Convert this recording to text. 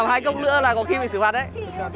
nếu như làm hai cốc nữa là có khi bị xử phạt đấy